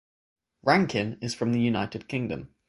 Rankin is from the United Kingdom.